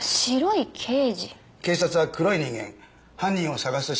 警察は黒い人間犯人を捜す仕事です。